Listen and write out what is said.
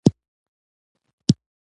آیا کارګران بیمه لري؟